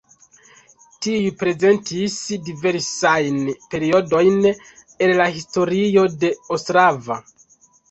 Tiuj prezentis diversajn periodojn el la historio de Ostrava.